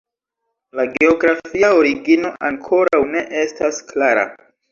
La geografia origino ankoraŭ ne estas klara.